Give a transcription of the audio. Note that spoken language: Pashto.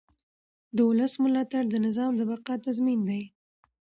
د ولس ملاتړ د نظام د بقا تضمین دی